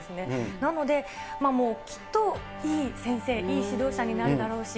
なので、きっといい先生に、指導者になるだろうし。